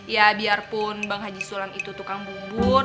ya biarpun bang haji sulam itu tukang bubuk